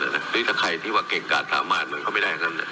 หรือถ้าใครที่เก่งการทหารก็ไม่ได้จังใน